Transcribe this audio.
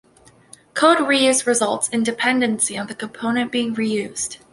Code reuse results in dependency on the component being reused.